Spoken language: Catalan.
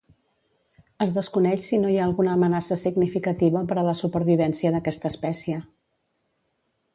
Es desconeix si no hi ha alguna amenaça significativa per a la supervivència d'aquesta espècie.